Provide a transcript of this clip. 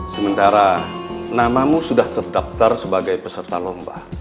sementara namamu sudah terdaftar sebagai peserta lomba